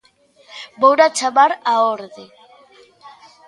Vouna chamar á orde.